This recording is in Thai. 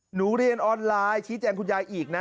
เรียนออนไลน์ชี้แจงคุณยายอีกนะ